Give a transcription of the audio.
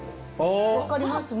分かります？